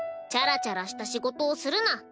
「チャラチャラした仕事をするな。